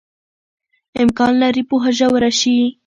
امکان لري پوهه ژوره شي.